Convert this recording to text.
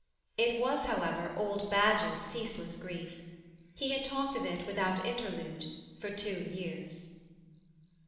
It was, however, old Badge's ceaseless grief. He had talked of it without interlude for two years.